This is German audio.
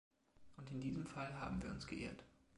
Und in diesem Fall haben wir uns geirrt.